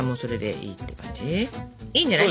いいんじゃない？